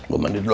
gue mandi dulu